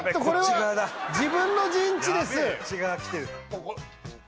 これは自分の陣地です